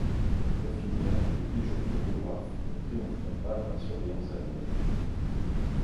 Pour finir, les pigeons photographes ne triompheront pas dans la surveillance aérienne.